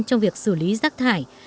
trong việc xử lý rác thải